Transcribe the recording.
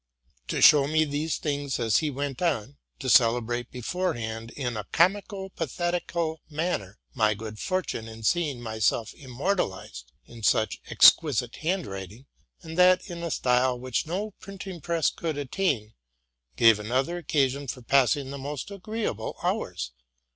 'To show me these things as he went on, to celebrate beforehand in a comico pathetical manner my good fortune in seeing myself immortalized in such exquisite handwriting, and that in a style which no printing press could attain, gave another occasion for passing the most agreeable hours.